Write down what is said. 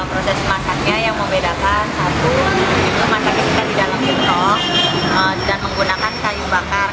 proses masaknya yang membedakan satu itu masaknya kita di dalam gentong dan menggunakan kayu bakar